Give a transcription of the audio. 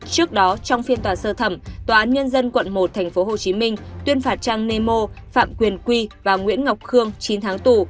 trước đó trong phiên tòa sơ thẩm tòa án nhân dân quận một tp hcm tuyên phạt trang nemo phạm quyền quy và nguyễn ngọc khương chín tháng tù